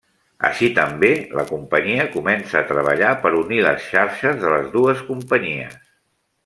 Així també la companyia comença a treballar per unir les xarxes de les dues companyies.